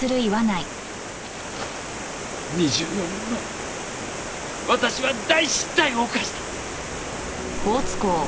２４年前私は大失態を犯した。